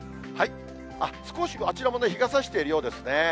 少しあちらも日がさしているようですね。